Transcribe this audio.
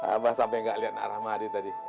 abah sampe ga liat nak rahmadi tadi